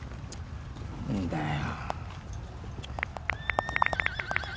何だよ。